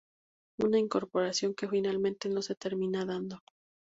Una incorporación que finalmente no se termina dando.